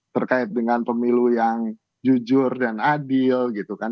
terkait dengan pemilu yang jujur dan adil gitu kan